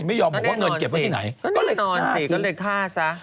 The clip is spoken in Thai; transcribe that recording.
ไม่ยอมบอกว่าเงินเก็บไว้ที่ไหนก็เลยฆ่าซะ